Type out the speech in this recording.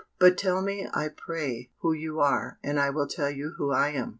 But tell me, I pray, who you are, and I will tell you who I am."